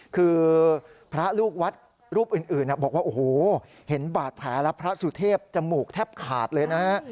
คือพระลูกวัดรูปอื่นบอกว่าโอ้โหเห็นบาดแผลแล้วพระสุเทพจมูกแทบขาดเลยนะฮะ